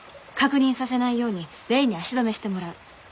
確認させないようにレイに足止めしてもらう。